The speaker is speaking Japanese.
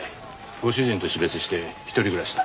ご主人と死別して一人暮らしだ。